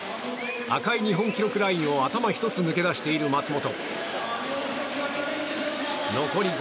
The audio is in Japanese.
赤い日本記録ラインを頭１つ抜け出している松元。